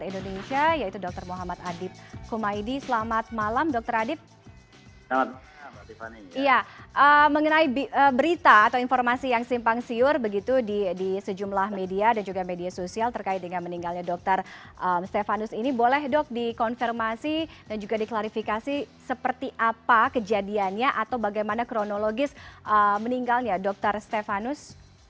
di konfirmasi dan juga diklarifikasi seperti apa kejadiannya atau bagaimana kronologis meninggal ya dokter stefanus